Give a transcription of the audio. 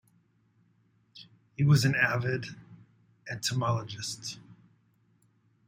He was an avid entomologist.